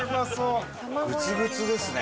伊達：グツグツですね。